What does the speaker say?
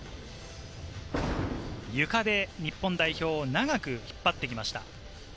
ゆかで日本代表を長く引っ張ってきました。